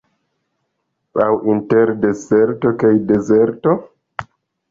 Aŭ inter deserto kaj dezerto?